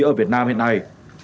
ở việt nam hiện nay